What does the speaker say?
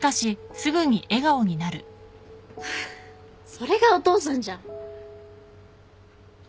それがお父さんじゃん。